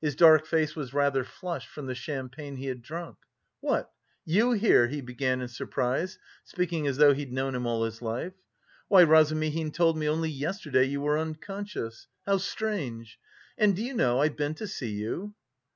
His dark face was rather flushed from the champagne he had drunk. "What, you here?" he began in surprise, speaking as though he'd known him all his life. "Why, Razumihin told me only yesterday you were unconscious. How strange! And do you know I've been to see you?"